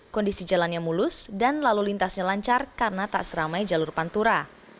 kondisi jalannya mulus dan lalu lintasnya lancar karena tak seramai jalur pantura